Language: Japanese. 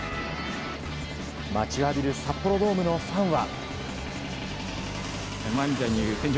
待ちわびる札幌ドームのファンは。